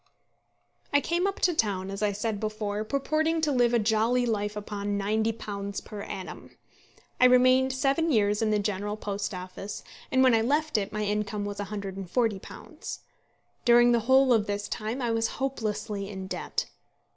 I came up to town, as I said before, purporting to live a jolly life upon £90 per annum. I remained seven years in the General Post Office, and when I left it my income was £140. During the whole of this time I was hopelessly in debt.